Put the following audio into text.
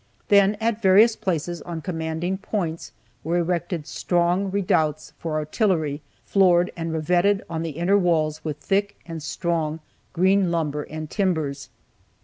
Then, at various places, on commanding points, were erected strong redoubts for artillery, floored, and revetted on the inner walls with thick and strong green lumber and timbers.